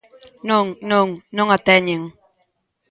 Non, non; non a teñen.